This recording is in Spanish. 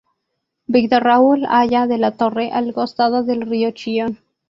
Víctor Raúl Haya de la Torre, al costado del río Chillón.